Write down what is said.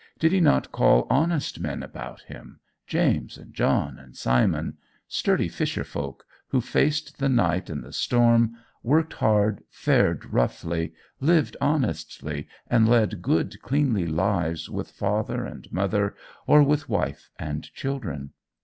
Did he not call honest men about him James and John and Simon sturdy fisher folk, who faced the night and the storm, worked hard, fared roughly, lived honestly, and led good cleanly lives with father and mother, or with wife and children?